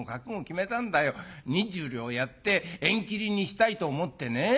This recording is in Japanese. ２０両やって縁切りにしたいと思ってね。